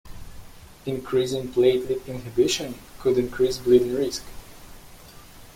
Increasing platelet inhibition could increase bleeding risk.